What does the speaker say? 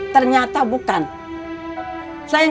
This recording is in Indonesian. maksud kamu yang heeft